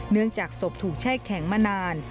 เนื่องจากศพถูกแช่แข็งมานาน